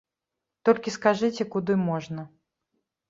Толькі скажыце, куды можна.